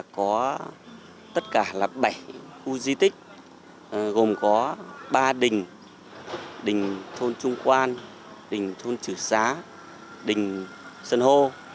có tất cả là bảy khu di tích gồm có ba đình đình thôn trung quan đình thôn trừ xá đình sơn hô